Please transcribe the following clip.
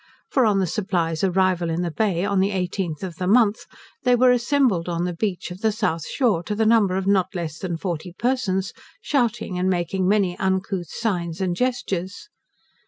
For on the Supply's arrival in the Bay on the 18th of the month, they were assembled on the beach of the south shore, to the number of not less than forty persons, shouting and making many uncouth signs and gestures.